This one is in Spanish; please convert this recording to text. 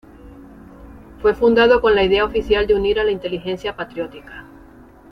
Fue fundado con la idea oficial de unir a la inteligencia patriótica.